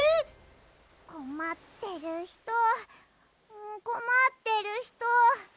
こまってるひとこまってるひと。